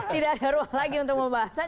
tidak ada ruang lagi untuk membahasnya